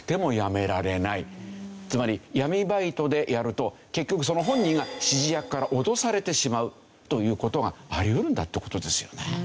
つまり闇バイトでやると結局その本人が指示役から脅されてしまうという事があり得るんだって事ですよね。